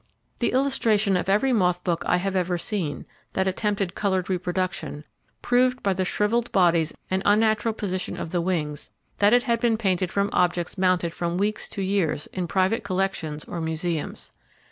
The illustration of every moth book I ever have seen, that attempted coloured reproduction, proved by the shrivelled bodies and unnatural position of the wings, that it had been painted from objects mounted from weeks to years in private collections or museums.